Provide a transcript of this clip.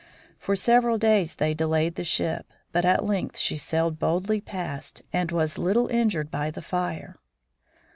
For several days they delayed the ship, but at length she sailed boldly past, and was but little injured by the fire.